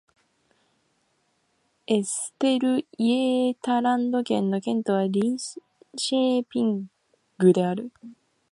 エステルイェータランド県の県都はリンシェーピングである